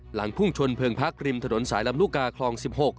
พุ่งชนเพลิงพักริมถนนสายลำลูกกาคลอง๑๖